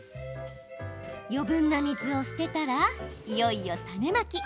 余分な水を捨てたらいよいよ種まき。